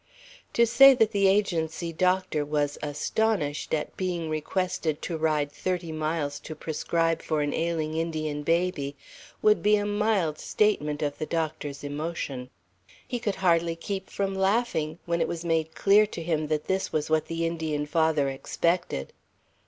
To say that the Agency doctor was astonished at being requested to ride thirty miles to prescribe for an ailing Indian baby, would be a mild statement of the doctor's emotion. He could hardly keep from laughing, when it was made clear to him that this was what the Indian father expected.